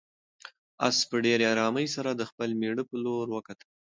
آس په ډېرې آرامۍ سره د خپل مېړه په لور وکتل.